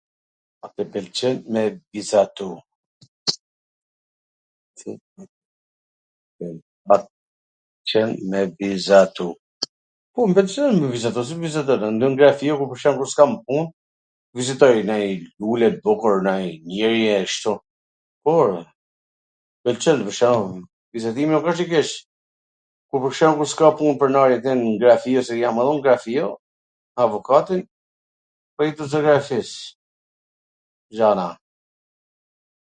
A tw pwlqen me vizatu? Po m pwlqen me vizatu, si s vizatoj, ktu n grafio, pwr shembull, kur s kam pun, vizatoj nanj lule t bukur, nanj njeri ashtu, po, ore, m pwlqen ... vizatimi nuk asht i keq, kur, pwr shembull, s ka pun pronari tim n grafio, se jam edhe un n grafio, avokati, po ik tw zografis gjana.